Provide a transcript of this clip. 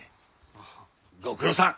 ご苦労さん。